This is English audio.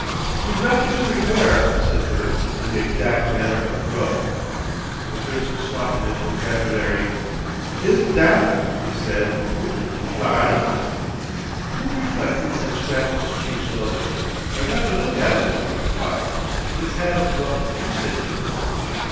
"We reckon to repair," said Bert, in the exact manner of Grubb. The Prince sought in his vocabulary. "Is dat," he said, "goot to fly?" Bert reflected and scratched his cheek slowly. "I got to look at it," he replied.... "It's 'ad rough usage!"